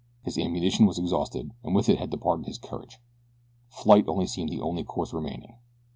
His ammunition was exhausted and with it had departed his courage. Flight seemed the only course remaining.